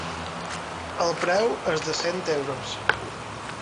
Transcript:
El preu és de cent euros.